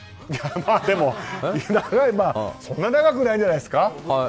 でもそんな長くないんじゃないんですか。